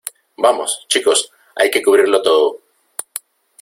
¡ vamos, chicos , hay que cubrirlo todo!